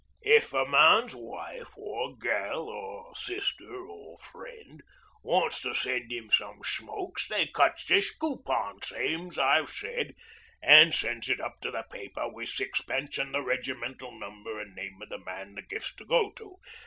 'If a man's wife or gel or sister or friend wants to send 'im some smokes they cuts this coo pon, same's I've said, an' sends it up to the paper, wi' sixpence an' the reg'mental number an' name of the man the gift's to go to.